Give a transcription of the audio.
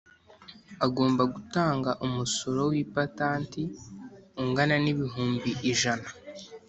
agomba gutanga umusoro w ipatanti ungana nibihumbi ijana.